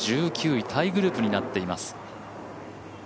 １９位タイグループになっています。